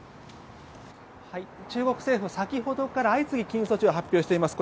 中国政府、先ほどから相次ぎ、禁輸措置を発表しています。